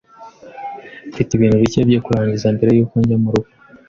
Mfite ibintu bike byo kurangiza mbere yuko njya murugo.